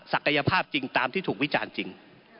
ภาพจริงตามที่ถูกวิจารณ์จริง